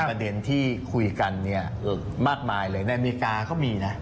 เป็นประเด็นที่คุยกันมากมายเลยอเมริกาเขามีนะ